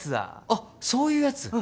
あっそういうやつ。